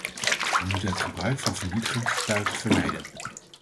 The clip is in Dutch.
We moeten het gebruik van vernietigend tuig vermijden.